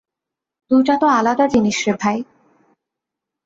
দুইটা তো আলাদা জিনিস রে ভাই।